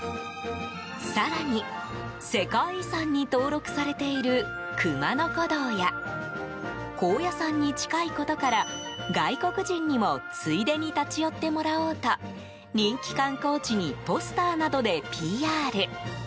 更に、世界遺産に登録されている熊野古道や高野山に近いことから外国人にもついでに立ち寄ってもらおうと人気観光地にポスターなどでＰＲ。